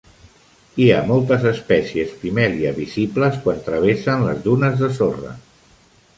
Hi ha moltes espècies "Pimelia" visibles quan travessen les dunes de sorra.